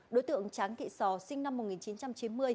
đối tượng tráng thị sò sinh năm một nghìn chín trăm chín mươi